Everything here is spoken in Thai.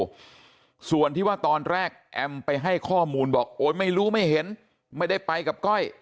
ส่วนที่ว่าตอนแรกแอมไปให้ข้อมูลบอกโอ๊ยไม่รู้ไม่เห็นไม่ได้ไปกับก้อย